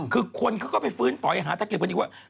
คือคนเขาก็ไปฟื้นฝอยหาตะเก็บกันอีกว่า